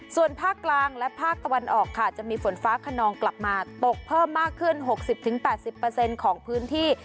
ส่วนภาคกลางและภาคตะวันออกค่ะจะมีฝนฟ้าขนองกลับมาตกเพิ่มมากขึ้นหกสิบถึงแปดสิบเปอร์เซ็นต์ของพื้นที่